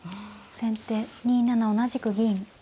先手２七同じく銀。